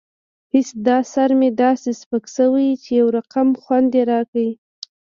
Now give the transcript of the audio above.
هېڅ دا سر مې داسې سپک سوى يو رقم خوند يې راکړى.